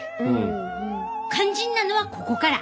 肝心なのはここから！